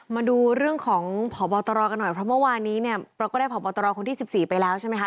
มาดูเรื่องของพบตรกันหน่อยเพราะเมื่อวานนี้เนี่ยเราก็ได้พบตรคนที่๑๔ไปแล้วใช่ไหมคะ